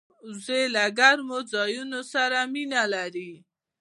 وزې له ګرمو ځایونو سره مینه لري